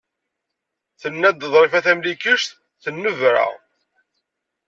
Tenna-d Ḍrifa Tamlikect, tennebra.